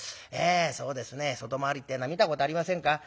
そうですね外回りってえのは見たことありませんか？